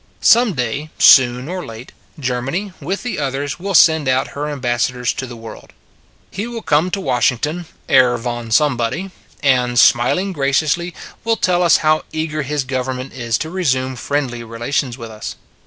Some day, soon or late, Germany, with the others, will send out her ambassadors to the world. He will come to Washington Herr von Somebody, and, smiling graciously, will tell us how eager his government is to resume friendly relations with us.